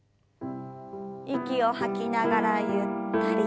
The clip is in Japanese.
息を吐きながらゆったりと。